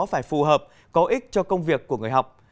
phải phù hợp có ích cho công việc của người học